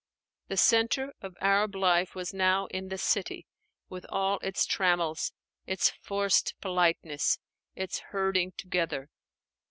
The centre of Arab life was now in the city, with all its trammels, its forced politeness, its herding together.